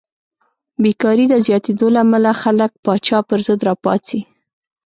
بېکارۍ د زیاتېدو له امله خلک پاچا پرضد راپاڅي.